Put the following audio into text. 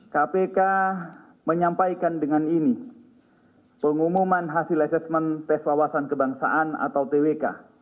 kpk menyampaikan dengan ini pengumuman hasil asesmen tes wawasan kebangsaan atau twk